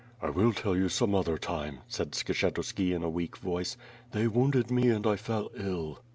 "I will tell you, some other time," said Skshetuski in a weak voice. "They wounded me and I fell ill.'